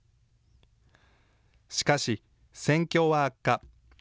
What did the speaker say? しかし、戦況は悪化。